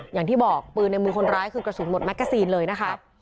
อย่างที่บอกปืนในมือคนร้ายคือกระสุนหมดแมกกาซีนเลยนะคะ